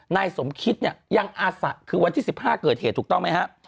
นายสมคิดเนี่ยยังอาศะคือวันที่๑๕เกิดเหตุถูกต้องไหมฮะ